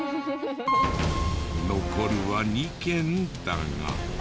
残るは２軒だが。